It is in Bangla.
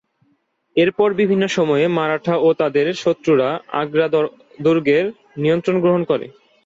এরপর বিভিন্ন সময়ে মারাঠা ও তাদের শত্রুরা আগ্রা দুর্গের নিয়ন্ত্রণ গ্রহণ করে।